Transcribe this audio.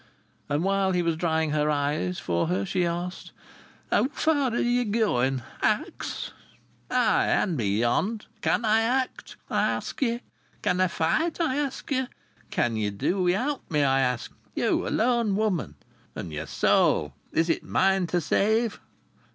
And while he was drying her eyes for her, she asked: "How far are ye going? Axe?" "Ay! And beyond! Can I act, I ask ye? Can I fight, I ask ye? Can ye do without me, I ask ye, you a lone woman? And yer soul, as is mine to save?"